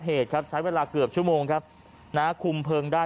เหตุครับใช้เวลาเกือบชั่วโมงครับนะคุมเพลิงได้